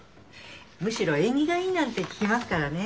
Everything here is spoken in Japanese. むしろ縁起がいいなんて聞きますからね。